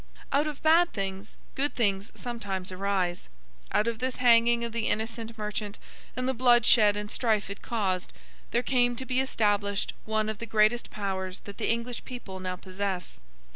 Out of bad things, good things sometimes arise. Out of this hanging of the innocent merchant, and the bloodshed and strife it caused, there came to be established one of the greatest powers that the English people now possess.